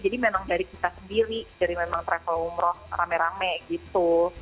jadi memang dari kita sendiri dari travel umroh rame rame gitu